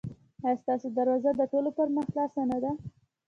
ایا ستاسو دروازه د ټولو پر مخ خلاصه نه ده؟